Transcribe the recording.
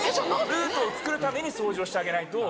ルートを作るために掃除をしてあげないと。